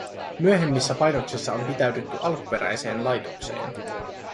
Myöhemmissä painoksissa on pitäydytty alkuperäiseen laitokseen